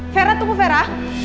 vera tunggu vera